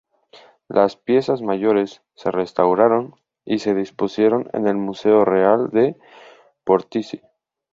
Las piezas mayores se restauraron y se dispusieron en el museo real de Portici.